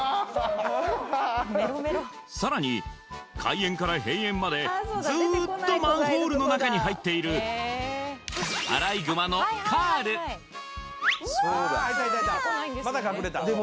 さらに開園から閉園までずっとマンホールの中に入っているそうだ出てこないんですよね